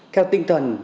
theo tinh thần